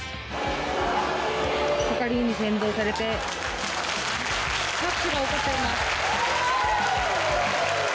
係員に先導されて拍手が起こっています。